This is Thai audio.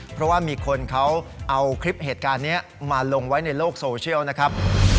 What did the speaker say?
เพราะว่ามีคนเขาเอาคลิปเหตุการณ์นี้มาลงไว้ในโลกโซเชียลนะครับ